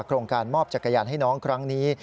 โครงการมอบจักรยานให้น้องครั้งนี้